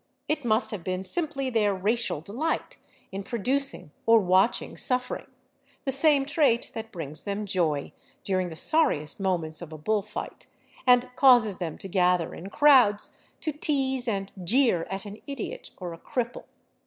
It must have been simply their racial delight in producing or watching suffering, the same trait that brings them joy during the sorriest moments of a bull fight, and causes them to gather in crowds to tease and jeer at an idiot or a cripple.